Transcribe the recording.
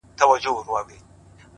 چي بیا يې ونه وینم ومي نه ويني،